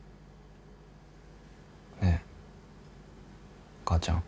ねえ母ちゃん。